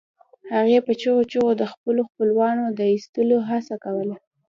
هغې په چیغو چیغو د خپلو خپلوانو د ایستلو هڅه کوله